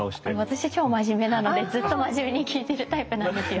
私超真面目なのでずっと真面目に聞いてるタイプなんですよ。